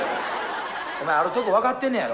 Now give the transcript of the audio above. お前あるとこわかってんねやろ？